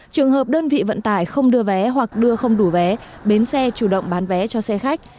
trường hợp đơn vị vận tải không đưa vé hoặc đưa không đủ vé bến xe chủ động bán vé cho xe khách